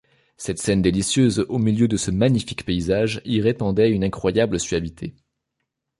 Cette scène délicieuse, au milieu de ce magnifique paysage, y répandait une incroyable suavité.